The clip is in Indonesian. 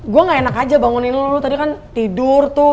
gue gak enak aja bangunin lulu lu tadi kan tidur tuh